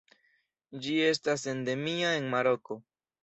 Ĝi estas endemia en Maroko.